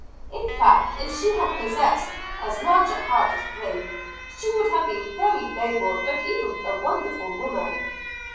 In fact if she had possessed as large a heart as brain, she would have been a very noble and even wonderful woman.